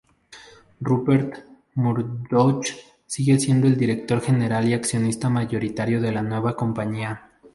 Rupert Murdoch sigue siendo el director general y accionista mayoritario de la nueva compañía.